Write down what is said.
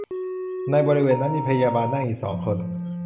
ในบริเวณนั้นมีพยาบาลนั่งอยู่สองคน